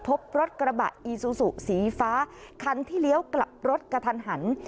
พบรถกระบะอีซูซูสีฟ้าคันที่เลี้ยวกลับรถกระทันหัน